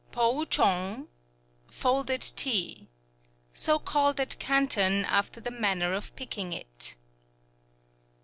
Pou chong ... Folded Tea So called at Canton after the manner of picking it.